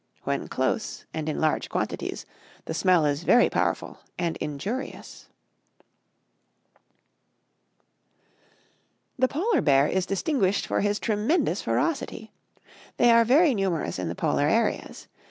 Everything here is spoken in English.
When close, and in large quantities, the smell is very powerful and injurious. [Illustration: Polar Bear.] THE POLAR BEAR. The Polar Bear is distinguished for his tremendous ferocity. They are very numerous in the polar seas.